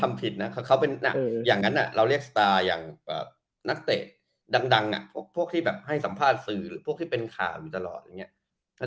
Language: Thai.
ไม่ใช่แค่เรียกแสงนะพี่แต่ว่าเรียกตรีทด้วย